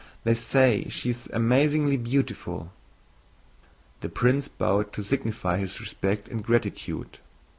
They say she is amazingly beautiful." The prince bowed to signify his respect and gratitude.